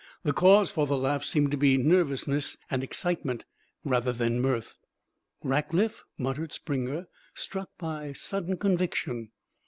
ho!" The cause for the laugh seemed to be nervousness and excitement rather than mirth. "Rackliff!" muttered Springer, struck by sudden conviction.